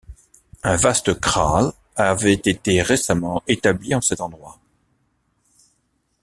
Un vaste kraal avait été récemment établi en cet endroit.